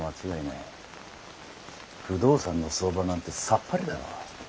不動産の相場なんてさっぱりだろう。